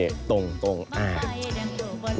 ห้ามหาคำเสียงประชากรรม